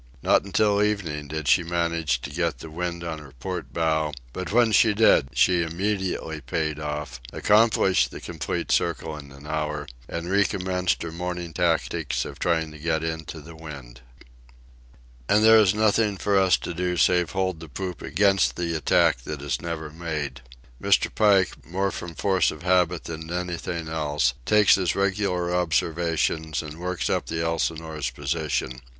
Not until evening did she manage to get the wind on her port bow; but when she did, she immediately paid off, accomplished the complete circle in an hour, and recommenced her morning tactics of trying to get into the wind. And there is nothing for us to do save hold the poop against the attack that is never made. Mr. Pike, more from force of habit than anything else, takes his regular observations and works up the Elsinore's position.